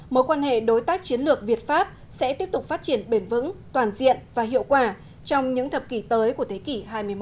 mối quan hệ đối tác chiến lược việt pháp sẽ tiếp tục phát triển bền vững toàn diện và hiệu quả trong những thập kỷ tới của thế kỷ hai mươi một